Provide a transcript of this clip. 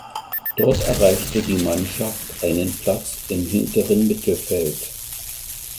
Dort erreichte die Mannschaft einen Platz im hinteren Mittelfeld.